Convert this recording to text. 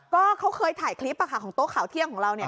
ก็เขาเคยถ่ายคลิปของโต๊ะข่าวเที่ยงของเราเนี่ย